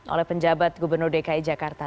oleh penjabat gubernur dki jakarta